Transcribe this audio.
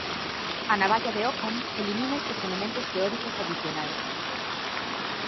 A Navalla de Occam elimina estes elementos teóricos adicionais.